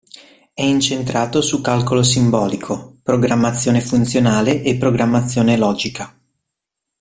È incentrato su calcolo simbolico, programmazione funzionale e programmazione logica.